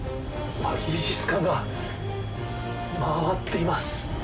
イージス艦が、回っています。